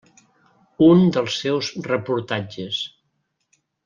Un dels seus reportatges.